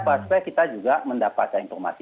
supaya kita juga mendapatkan informasi